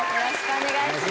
お願いします。